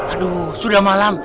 aduh sudah malam